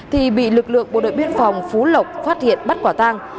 thì bị lực lượng bộ đội biên phòng phú lộc phát hiện bắt quả tang